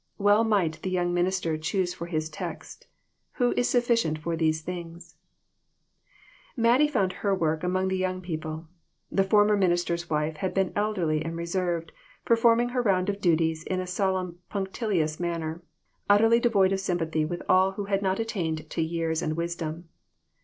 Well might the young minister choose for his text :" Who is sufficient for these things ?" Mattie found her work among the young peo ple. The former minister's wife had been elderly and reserved, performing her round of duties in a solemn punctilious manner, utterly devoid of sym pathy with all who had not attained to years and wisdom.